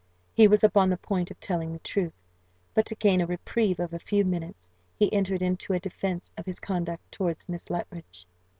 He was upon the point of telling the truth; but to gain a reprieve of a few minutes, he entered into a defence of his conduct towards Miss Luttridge.